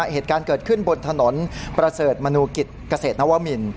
เหตุการณ์เกิดขึ้นบนถนนประเสริฐมนูกิจเกษตรนวมิน